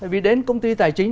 vì đến công ty tài chính